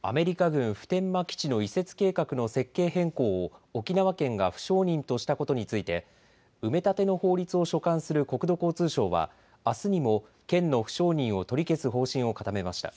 アメリカ軍普天間基地の移設計画の設計変更を沖縄県が不承認としたことについて埋め立ての法律を所管する国土交通省はあすにも県の不承認を取り消す方針を固めました。